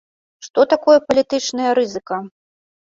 Што такое палітычная рызыка?